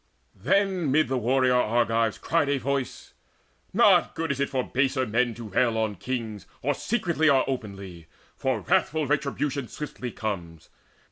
Then mid the warrior Argives cried a voice: "Not good it is for baser men to rail On kings, or secretly or openly; For wrathful retribution swiftly comes.